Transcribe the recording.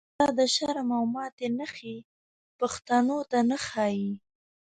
دا دشرم او ماتی نښی، پښتنوته نه ښاییږی